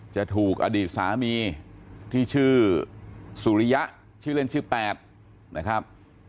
จะถูกอดีตสามีที่ชื่อสุริยะชื่อเล่นชื่อแปดนะครับ